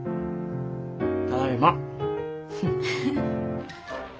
ただいま。